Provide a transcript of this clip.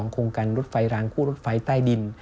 โครงการรถไฟรางคู่รถไฟใต้ดิน